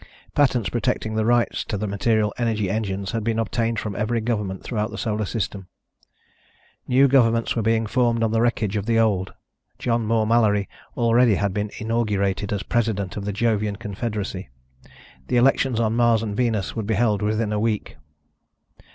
Patents protecting the rights to the material energy engines had been obtained from every government throughout the Solar System. New governments were being formed on the wreckage of the old. John Moore Mallory already had been inaugurated as president of the Jovian confederacy. The elections on Mars and Venus would be held within a week.